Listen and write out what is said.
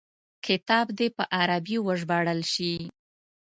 کتاب دي په عربي وژباړل شي.